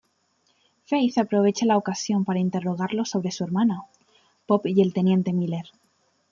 Faith aprovecha la ocasión para interrogarlo sobre su hermana, Pope y el teniente Miller.